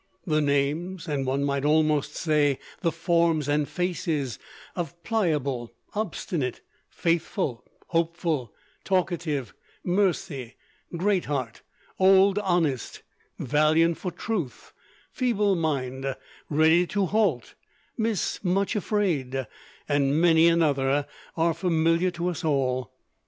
The names, and one might almost say the forms and faces, of Pliable, Obstinate, Faithful, Hopeful, Talkative, Mercy, Great heart, old Honest, Valiant for truth, Feeble mind, Ready to halt, Miss Much afraid, and many another, are familiar to us all.